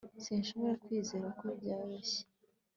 Sinshobora kwizera ko byoroshye